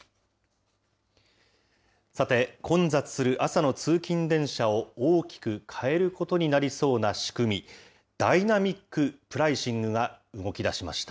さて、混雑する朝の通勤電車を大きく変えることになりそうな仕組み、ダイナミックプライシングが動きだしました。